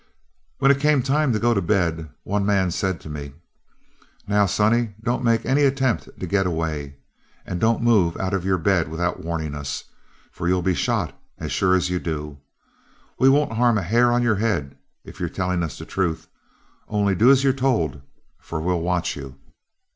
When it came time to go to bed, one man said to me, 'Now, sonny, don't make any attempt to get away, and don't move out of your bed without warning us, for you'll be shot as sure as you do. We won't harm a hair on your head if you're telling us the truth; only do as you're told, for we'll watch you.'